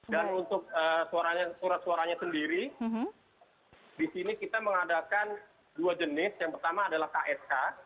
dan untuk surat suaranya sendiri di sini kita mengadakan dua jenis yang pertama adalah ksk